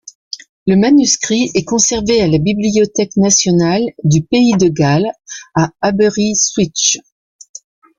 Le manuscrit est conservé à la Bibliothèque nationale du pays de Galles à Aberystwyth.